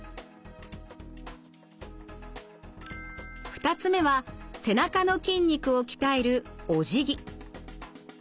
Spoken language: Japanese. ２つ目は背中の筋肉を鍛えるおじぎ。